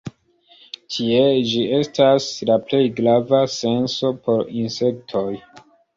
Tiele, ĝi estas la plej grava senso por insektoj.